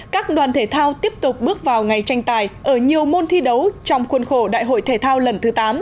các đoàn thể thao tiếp tục bước vào ngày tranh tài ở nhiều môn thi đấu trong khuôn khổ đại hội thể thao lần thứ tám